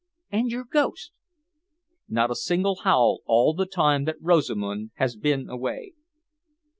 "And your ghost?" "Not a single howl all the time that Rosamund has been away."